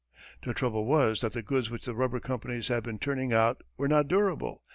The trouble was that the goods which the rubber companies had been turning out were not durable.